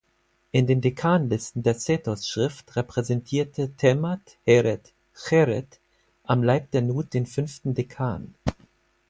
In den Dekanlisten der Sethos-Schrift repräsentierte Temat-heret-cheret am Leib der Nut den fünften Dekan.